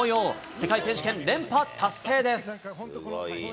世界選手権、連覇達成です。